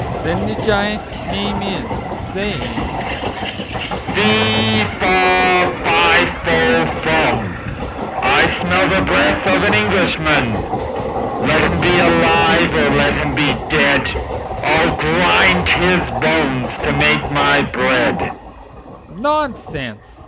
Then the Giant came in, saying: "Fe, fa, fi fo furn, I smell the breath of an Englishman. Let him he alive or let him be dead, I'll grind his bones to make my bread." "Nonsense!"